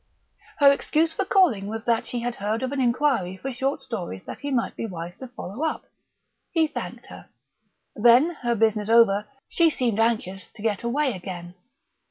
Her excuse for calling was that she had heard of an inquiry for short stories that he might be wise to follow up. He thanked her. Then, her business over, she seemed anxious to get away again.